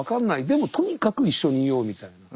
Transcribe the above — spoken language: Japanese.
でもとにかく一緒にいようみたいな。